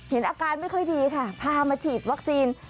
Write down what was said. อาการไม่ค่อยดีค่ะพามาฉีดวัคซีน